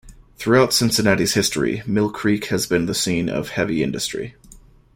Throughout Cincinnati's history, Mill Creek has been the scene of heavy industry.